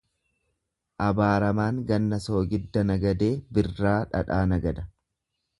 Abaaramaan ganna soogidda nagadee birraa dhadhaa nagada.